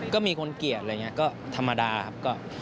ก็มีคนเกลียดอะไรอย่างนี้ก็ธรรมดาครับ